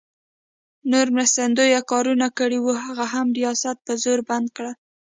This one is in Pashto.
نور مرستندویه کارونه کړي وو، هغه هم ریاست په زور بند کړل.